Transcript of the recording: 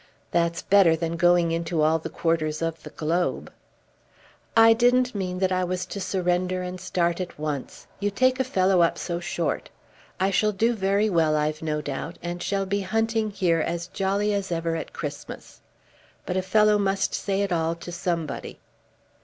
"That's better than going into all the quarters of the globe." "I didn't mean that I was to surrender and start at once. You take a fellow up so short. I shall do very well, I've no doubt, and shall be hunting here as jolly as ever at Christmas. But a fellow must say it all to somebody."